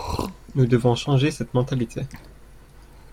Nous devons changer cette mentalité.